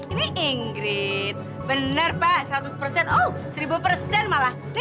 ini ingrid benar pak satu persen oh seribu persen malah